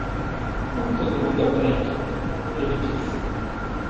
"Como todo mundo aprende?" ele disse.